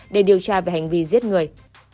để điều tra về hành vi giết người